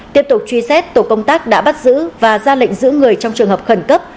tiếp tục truy xét tổ công tác đã bắt giữ và ra lệnh giữ người trong trường hợp khẩn cấp